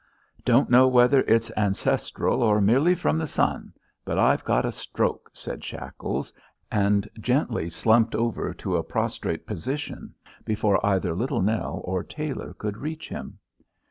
"Don't know whether it's ancestral or merely from the sun but I've got a stroke," said Shackles, and gently slumped over to a prostrate position before either Little Nell or Tailor could reach him.